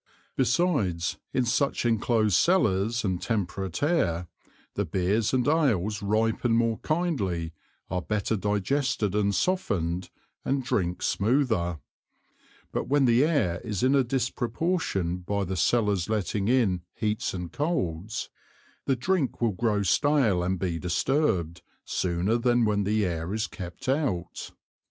Besides, in such inclosed Cellars and temperate Air, the Beers and Ales ripen more kindly, are better digested and softned, and drink smoother: But when the Air is in a disproportion by the Cellars letting in Heats and Colds, the Drink will grow Stale and be disturbed, sooner than when the Air is kept out.